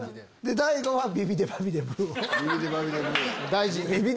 大悟はビビデバビデブー！を。